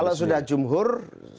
kalau sudah jumhur